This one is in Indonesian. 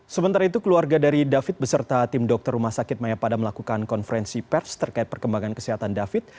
sementara itu keluarga dari david beserta tim dokter rumah sakit mayapada melakukan konferensi pers terkait perkembangan kesehatan david